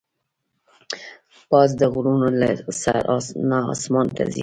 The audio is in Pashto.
باز د غرونو له سر نه آسمان ته ځي